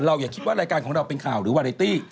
อย่าคิดว่ารายการของเราเป็นข่าวหรือวาเรตี้